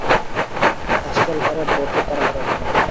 আজকাল এরা বড্ড তাড়াহুড়া করে।